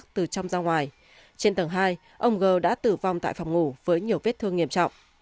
trên tầng hai ông g đã tử vong tại phòng ngủ với nhiều vết thương nghiêm trọng